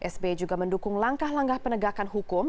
sbi juga mendukung langkah langkah penegakan hukum